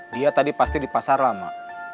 dia tadi pasti di pasar lama